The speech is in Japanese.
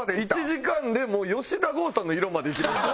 １時間でもう吉田豪さんの色までいきました。